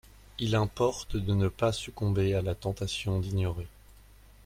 Il importe de ne pas succomber à la tentation d'ignorer.